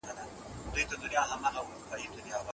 د پانګوالۍ شر بايد له منځه لاړ سي.